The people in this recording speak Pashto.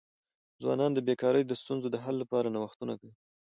ځوانان د بېکاری د ستونزو د حل لپاره نوښتونه کوي.